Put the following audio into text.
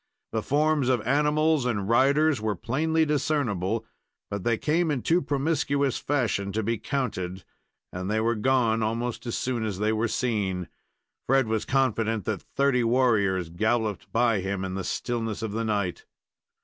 The forms of animals and riders were plainly discernible, but they came in too promiscuous fashion to be counted, and they were gone almost as soon as they were seen. Fred was confident that thirty warriors galloped by him in the stillness of the night.